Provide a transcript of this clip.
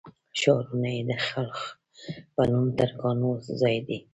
ښارونه یې د خلُخ په نوم ترکانو ځای دی.